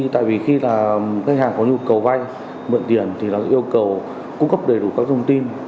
tại vì khi là khách hàng có nhu cầu vay mượn tiền thì nó yêu cầu cung cấp đầy đủ các thông tin